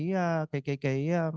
cái cái cái